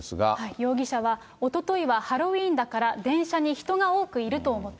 容疑者は、おとといはハロウィーンだから、電車に人が多くいると思った。